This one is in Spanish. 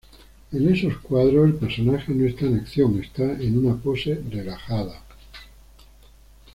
En estos cuadros el personaje no está en acción, está en una pose relajada.